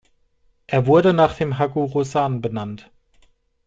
Er wurde nach dem Haguro-san benannt.